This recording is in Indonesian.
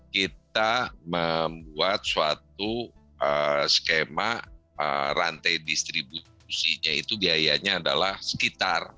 kita membuat suatu skema rantai distribusinya itu biayanya adalah sekitar